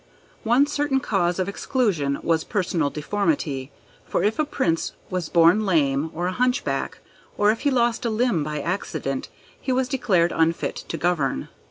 One certain cause of exclusion was personal deformity; for if a Prince was born lame or a hunchback, or if he lost a limb by accident, he was declared unfit to govern.